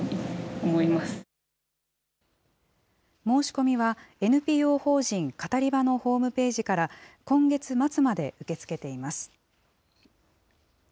申し込みは、ＮＰＯ法人カタリバのホームページから、今月末まで受け付けています。